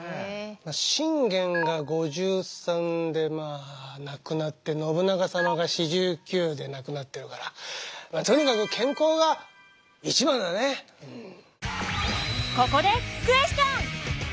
信玄が５３でまあ亡くなって信長様が４９で亡くなっているからここでクエスチョン！